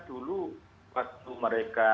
dulu waktu mereka